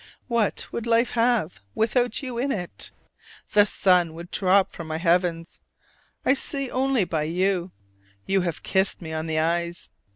What would life have without you in it? The sun would drop from my heavens. I see only by you! you have kissed me on the eyes.